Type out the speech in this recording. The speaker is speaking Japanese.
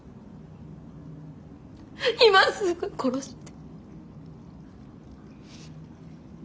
今すぐ殺して。